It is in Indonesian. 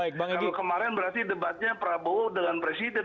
kalau kemarin berarti debatnya prabowo dengan presiden